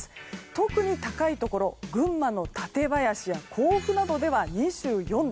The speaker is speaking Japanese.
特に高いところ群馬の舘林や甲府などでは２４度。